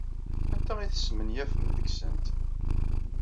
Anta ay tesmenyafem deg-sent?